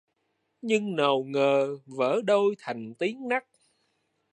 Nhưng nào ngờ... vỡ đôi... thành tiếng nấc